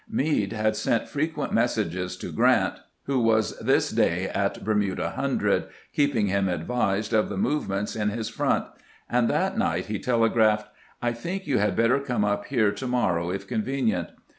Meade had sent frequent messages to Grant, who was this day at Ber MOVEMENT AGAINST THE WELDON EAILBOAD 225 muda Hundred, keeping him advised of the movements in Ms front ; and that night he telegraphed :" I think you had better come up here to morrow if convenient."